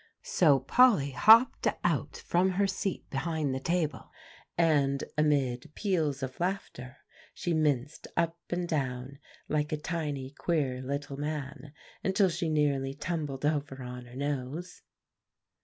So Polly hopped out from her seat behind the table, and amid peals of laughter she minced up and down like a tiny, queer little man, until she nearly tumbled over on her nose.